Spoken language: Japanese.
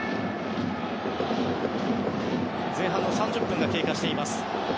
前半３０分が経過しています。